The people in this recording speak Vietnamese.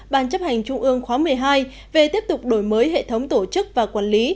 ban chấp hành trung ương khóa một mươi hai về tiếp tục đổi mới hệ thống tổ chức và quản lý